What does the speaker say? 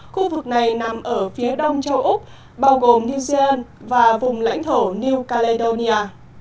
khu vực này nằm ở phía đông châu úc bao gồm new zealand và vùng lãnh thổ new caledonia